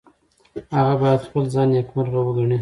هغه باید خپل ځان نیکمرغه وګڼي.